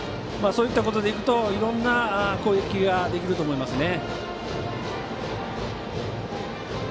そういったことでいうといろんな攻撃ができると思います。